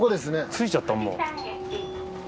着いちゃったもう。